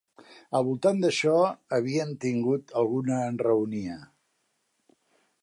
Al voltant d'això havien tingut alguna enraonia.